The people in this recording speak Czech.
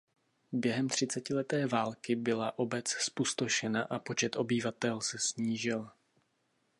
Během třicetileté války byla obec zpustošena a počet obyvatel se snížil.